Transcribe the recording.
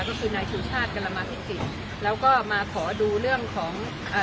ก็คือนายชีวิตชาติกรรมภิกษิแล้วก็มาขอดูเรื่องของอ่า